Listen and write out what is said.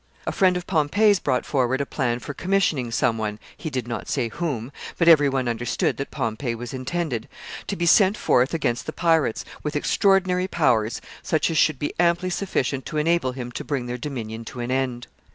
A friend of Pompey's brought forward a plan for commissioning some one, he did not say whom, but every one understood that Pompey was intended, to be sent forth against the pirates, with extraordinary powers, such as should be amply sufficient to enable him to bring their dominion to an end.